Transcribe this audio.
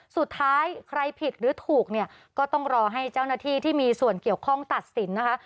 สุดท้ายใครผิดหรือถูกเนี่ยก็ต้องรอให้เจ้าหน้าที่ที่มีส่วนเกี่ยวข้องตัดสินนะคะ